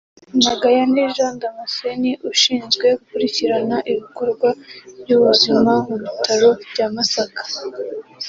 Magayane Jean Damascène ushinzwe gukurikirana Ibikorwa by’Ubuzima mu Bitaro bya Masaka